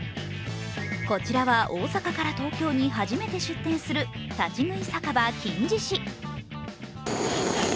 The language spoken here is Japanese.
こちらは大阪から東京に初めて出店する立喰酒場金獅子。